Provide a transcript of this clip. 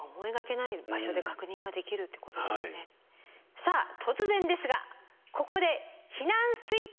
さあ突然ですがここで「避難スイッチクイズ！」